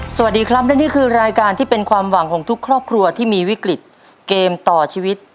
สวัสดีครับและนี่คือรายการที่เป็นความหวังของทุกครอบครัวที่มีวิกฤตเกมต่อชีวิต